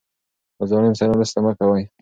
له ظالم سره مرسته مه کوه.